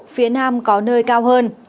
phía nam có nơi cao